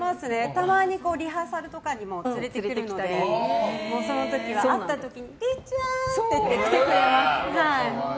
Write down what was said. たまにリハーサルとかにも連れて行ったり会った時にはりっちゃん！って言って来てくれます。